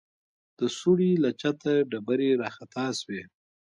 د سوړې له چته ډبرې راخطا سوې.